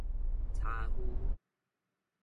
柴烌